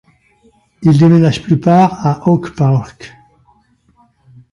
Il déménage plus tard à Oak Park.